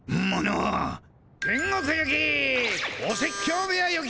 お説教部屋行き！